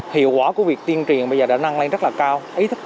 hiệu quả của việc tiên triền bây giờ đã năng lên rất là cao